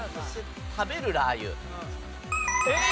食べるラー油。